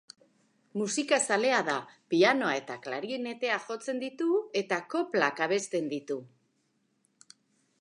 Musikazalea da, pianoa eta klarinetea jotzen ditu, eta koplak abesten ditu.